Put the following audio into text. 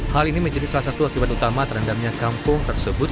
hal ini menjadi salah satu akibat utama terendamnya kampung tersebut